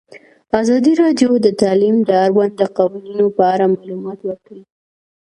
ازادي راډیو د تعلیم د اړونده قوانینو په اړه معلومات ورکړي.